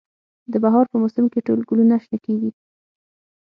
د بهار په موسم کې ټول ګلونه شنه کیږي